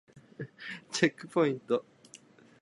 チェックポイント